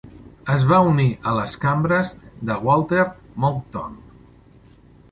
Es va unir a les cambres de Walter Monckton.